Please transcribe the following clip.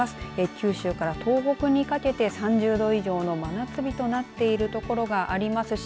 九州から東北にかけて３０度以上の真夏日となっている所がありますし